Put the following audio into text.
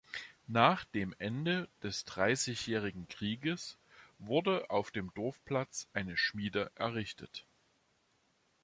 Nach dem Ende des Dreißigjährigen Krieges wurde auf dem Dorfplatz eine Schmiede errichtet.